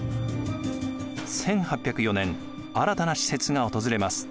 １８０４年新たな使節が訪れます。